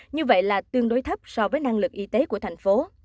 như vậy là tương đối thấp so với năng lực y tế của thành phố